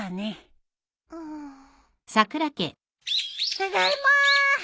ただいま。